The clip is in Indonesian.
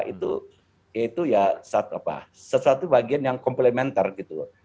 itu ya sesuatu bagian yang komplementer gitu